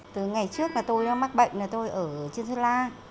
từ ngày trước là tôi mắc bệnh là tôi ở trên sơn la